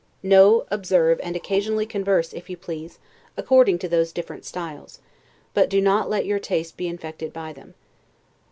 Know, observe, and occasionally converse (if you please) according to those different styles; but do not let your taste be infected by them.